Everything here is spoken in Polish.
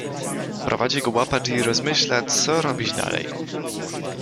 Prowadzi go łapacz i rozmyśla, co robić dalej.